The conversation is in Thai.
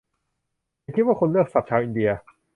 ฉันคิดว่าคุณเลือกศัพท์ชาวอินเดีย